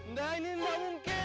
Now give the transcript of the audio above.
nggak ini enggak mungkin